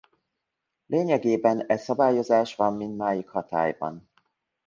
Lényegében e szabályozás van mindmáig hatályban.